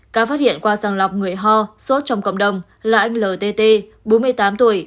ca phát hiện qua sàng lọc người ho sốt trong cộng đồng là anh ltt bốn mươi tám tuổi